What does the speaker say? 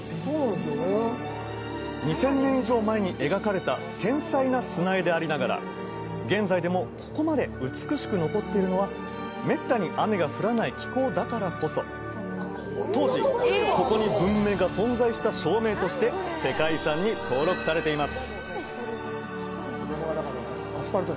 ２０００年以上前に描かれた繊細な砂絵でありながら現在でもここまで美しく残ってるのはめったに雨が降らない気候だからこそ当時ここに文明が存在した証明として世界遺産に登録されています